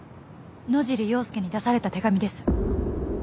野尻要介に出された手紙です。